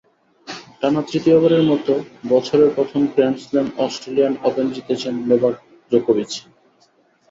টানা তৃতীয়বারের মতো বছরের প্রথম গ্র্যান্ড স্লাম অস্ট্রেলিয়ান ওপেন জিতেছেন নোভাক জোকোভিচ।